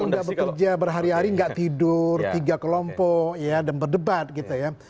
kalau tidak bekerja berhari hari tidak tidur tiga kelompok ya dan berdebat gitu ya